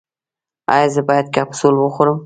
ایا زه باید کپسول وخورم؟